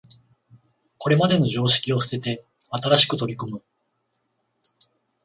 これまでの常識を捨てて新しく取り組む